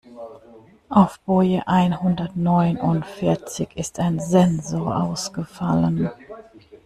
Auf Boje einhundertneunundvierzig ist ein Sensor ausgefallen.